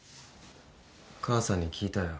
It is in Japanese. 母さんに聞いたよ。